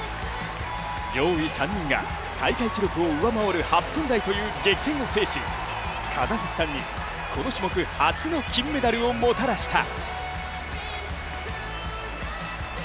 上位３人が大会記録を上回る８分台という激戦を制しカザフスタンにこの種目初の金メダルをもたらした。